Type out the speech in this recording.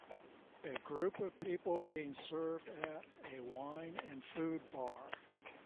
A group of people being served at a wine and food bar